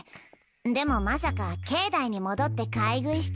でもまさか境内に戻って買い食いしてるとは。